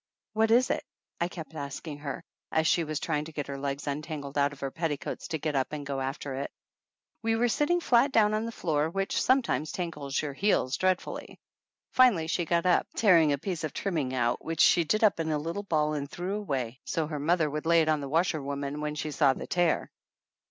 "What is it?" I kept asking her, as she was trying to get her legs untangled out of her petticoats to get up and go after it; we were sitting flat down on the floor, which sometimes tangles your heels dreadfully. Finally she got up, tearing a piece of trimming out, which she did up in a little ball and threw away, so her mother would lay it on the washerwoman when she saw the tear.